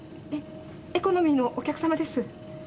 エエコノミーのお客さまです。